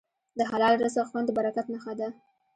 د حلال رزق خوند د برکت نښه ده.